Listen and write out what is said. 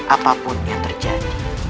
apapun yang terjadi